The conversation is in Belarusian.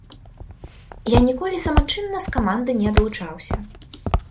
Я ніколі самачынна з каманды не адлучаўся.